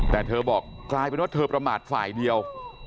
แต่เธอบอกกลายเป็นว่าเธอประมาทฝ่ายเดียว